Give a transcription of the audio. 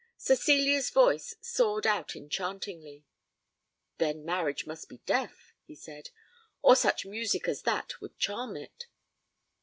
Cecilia's voice soared out enchantingly. 'Then, marriage must be deaf,' he said, 'or such music as that would charm it.'